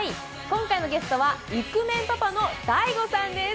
今回のゲストはイクメンパパのＤＡＩＧＯさんです。